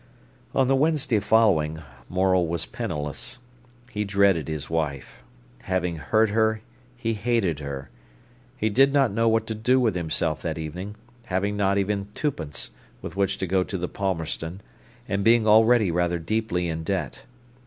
On the Wednesday following, Morel was penniless. He dreaded his wife. Having hurt her, he hated her. He did not know what to do with himself that evening, having not even twopence with which to go to the Palmerston, and being already rather deeply in debt.